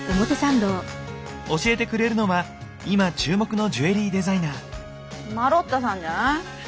教えてくれるのは今注目のジュエリーデザイナー。